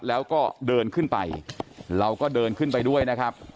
แล้วก็เดินขึ้นไปเราก็เดินขึ้นไปด้วยนะครับ